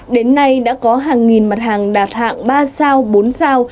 đến nay đã có hàng nghìn mặt hàng đạt hạng ba sao bốn sao